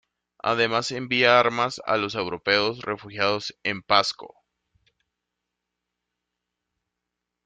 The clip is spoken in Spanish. Además, envía armas a los europeos refugiados en Pasco.